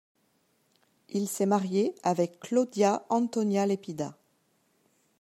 Il s'a marié avec Claudia Antonia Lepida.